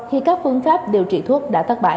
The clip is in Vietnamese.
khi các phương pháp điều trị thuốc đã thất bại